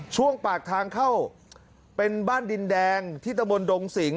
ช่วงปากทางเข้าเป็นบ้านดินแดงที่ตะบนดงสิง